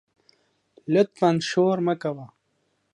لطفآ شور مه کوه